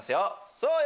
そうよ